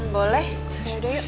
boleh yaudah yuk